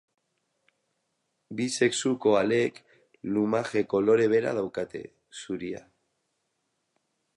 Bi sexuko aleek lumaje kolore bera daukate, zuria.